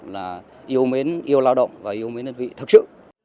là yêu mến yêu lao động và yêu mến đơn vị thực sự